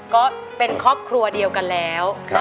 ก็เป็นครอบครัวเดียวกันแล้ว